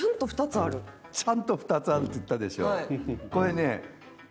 ちゃんと２つあるって言ったでしょ。